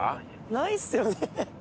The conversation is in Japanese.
ないっすよね。